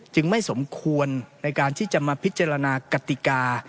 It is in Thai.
ไม่สมควรในการที่จะมาพิจารณากติกา